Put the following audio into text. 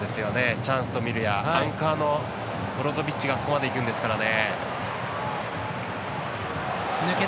チャンスと見るやアンカーのブロゾビッチがあそこまで行くんですからね。